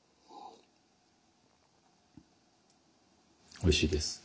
おいしいです。